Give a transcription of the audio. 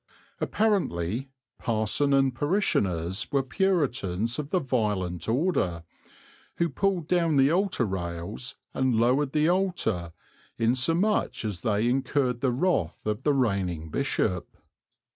Apparently, parson and parishioners were Puritans of the violent order, who pulled down the altar rails and lowered the altar, insomuch that they incurred the wrath of the reigning bishop.